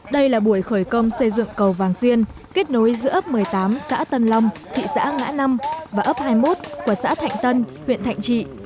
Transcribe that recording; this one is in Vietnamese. đây là buổi khởi công xây dựng cầu vàng duyên kết nối giữa ấp một mươi tám xã tân long thị xã ngã năm và ấp hai mươi một của xã thạnh tân huyện thạnh trị